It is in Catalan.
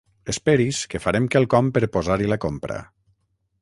Esperi's que farem quelcom per posar-hi la compra.